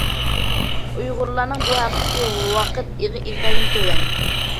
ئۇيغۇرلارنىڭ بۇ ھەقتىكى ۋاقىت ئېڭى ئىنتايىن تۆۋەن.